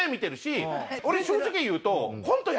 俺正直言うと。